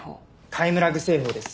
タイムラグ製法です。